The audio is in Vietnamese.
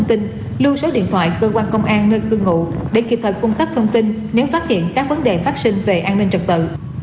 trước điện thoại cơ quan công an nơi cư ngụ để kịp thời cung cấp thông tin nếu phát hiện các vấn đề phát sinh về an ninh trật tự